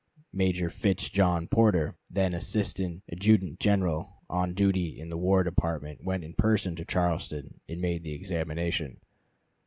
Major Fitz John Porter, then Assistant Adjutant General, on duty in the War Department, went in person to Charleston, and made the examination.